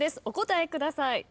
お答えください。